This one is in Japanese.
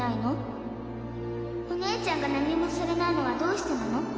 お姉ちゃんが何もされないのはどうしてなの？